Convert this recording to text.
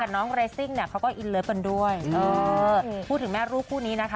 น้องเรซิ่งเนี่ยเขาก็อินเลิฟกันด้วยพูดถึงแม่ลูกคู่นี้นะคะ